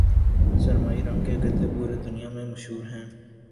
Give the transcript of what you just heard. سرمئی رنگ کے گدھ پوری دنیا میں مشہور ہیں